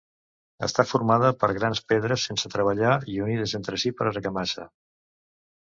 Està formada per grans pedres sense treballar i unides entre si per argamassa.